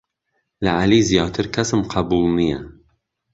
لە عەلی زیاتر کەسم قەبووڵ نییە.